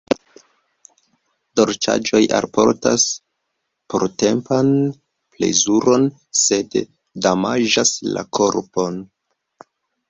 Dolĉaĵoj alportas portempan plezuron, sed damaĝas la korpon.